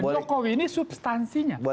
jokowi ini substansinya